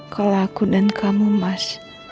kalau aku dan kamu mas